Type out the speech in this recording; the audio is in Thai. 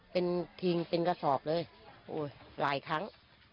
เป็นทิงเป็นกระสอบเลยหลายครั้ง